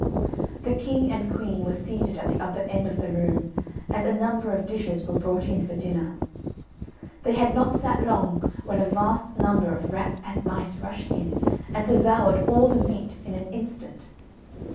The king and queen were seated at the upper end of the room; and a number of dishes were brought in for dinner. They had not sat long, when a vast number of rats and mice rushed in, and devoured all the meat in an instant.